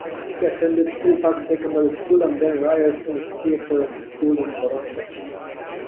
He attended Hill Park Secondary School and then Ryerson Theatre School in Toronto.